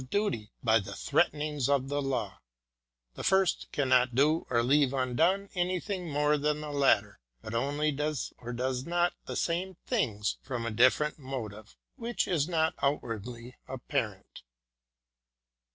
duty, by the threatenings of the law: the first cannot do or leave undone anything more than the latter, but only does or does not the same things from a different motive, which is not outwardly apparent.